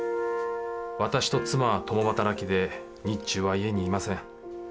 私と妻は共働きで日中は家にいません。